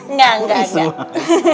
enggak enggak enggak